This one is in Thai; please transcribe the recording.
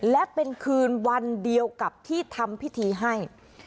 และเป็นคืนวันเดียวกับที่ทำพิธีให้